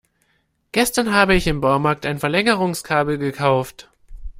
Gestern habe ich im Baumarkt ein Verlängerungskabel gekauft.